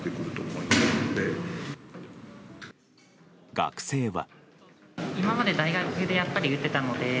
学生は。